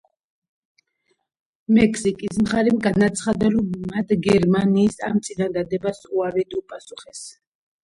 მექსიკის მხარემ განაცხადა, რომ მათ გერმანიის ამ წინადადებას უარით უპასუხეს.